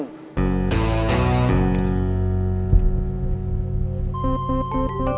terminal mau diambil alih darman